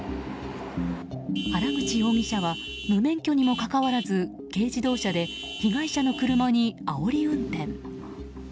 原口容疑者は無免許にもかかわらず軽自動車で被害者の車にあおり運転。